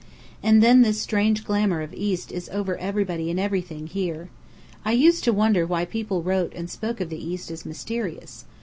And then, this strange glamour of the East is over everybody and everything, here. I used to wonder why people wrote and spoke of the East as _mysterious.